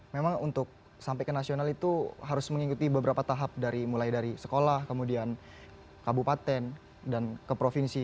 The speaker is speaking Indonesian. memang untuk sampai ke nasional itu harus mengikuti beberapa tahap dari mulai dari sekolah kemudian kabupaten dan ke provinsi